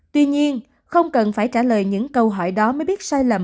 tuy nhiên không cần phải trả lời những câu hỏi đó mới biết sai lầm